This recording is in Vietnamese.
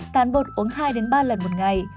tán bột uống hai ba lần một ngày